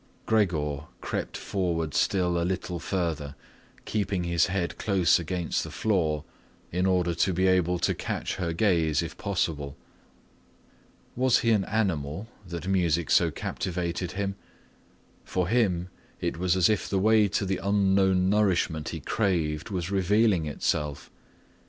Gregor crept forward still a little further, keeping his head close against the floor in order to be able to catch her gaze if possible. Was he an animal that music so captivated him? For him it was as if the way to the unknown nourishment he craved was revealing itself.